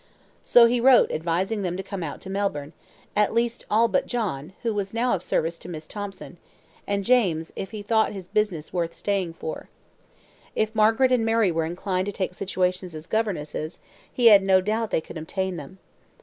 So he wrote advising them to come out to Melbourne, at least all but John, who was now of service to Miss Thomson; and James, if he thought his business was worth staying for. If Margaret and Mary were inclined to take situations as governesses, he had no doubt they could obtain them.